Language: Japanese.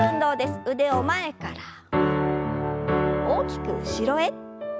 腕を前から大きく後ろへ。